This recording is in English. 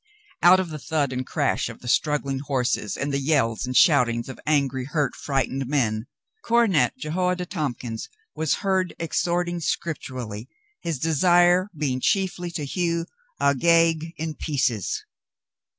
Out of the thud and crash of the struggling horses and the yells and shoutings of angry, hurt, fright ened men. Cornet Jehoiada Tompkins was heard ex horting scripturally, his desire being chiefly to hew Agag in pieces.